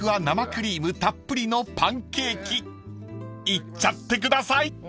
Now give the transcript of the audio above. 生クリームたっぷりのパンケーキいっちゃってください］